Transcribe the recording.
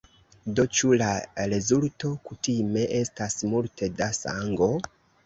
Do ĉu la rezulto kutime estas multe da sango?